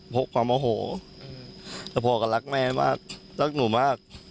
เพราะความโอโหแต่พ่อก็รักแม่มากรักหนูมาก